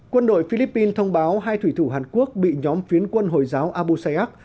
quân đội philippines thông báo hai thủy thủ hàn quốc bị nhóm phiến quân hồi giáo abu sayyaf